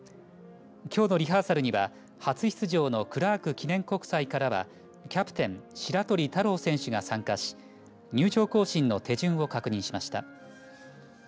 きょうのリハーサルには初出場のクラーク記念国際からはキャプテン白取太郎選手が参加し入場行進の手順を確認しました。